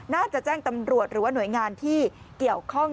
แจ้งตำรวจหรือว่าหน่วยงานที่เกี่ยวข้อง